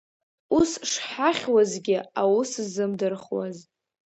Ус шҳахьуазгьы аусзымдырхуаз.